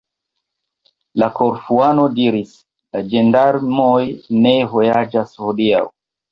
La Korfuano diris: "La ĝendarmoj ne vojaĝas hodiaŭ."